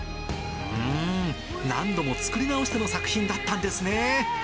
うーん、何度も作り直しての作品だったんですね。